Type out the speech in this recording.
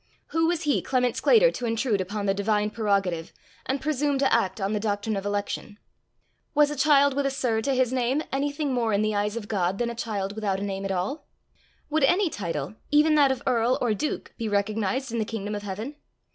Who was he, Clement Sclater, to intrude upon the divine prerogative, and presume to act on the doctrine of election! Was a child with a Sir to his name, anything more in the eyes of God than a child without a name at all? Would any title even that of Earl or Duke, be recognized in the kingdom of heaven?